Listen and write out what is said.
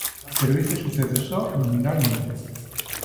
Pero isto sucede só nominalmente.